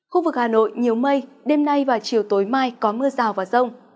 khu vực hà nội nhiều mây đêm nay và chiều tối mai có mưa rào và rông